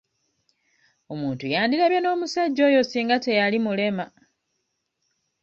Omuntu yandirabye n'omusajja oyo singa teyali mulema.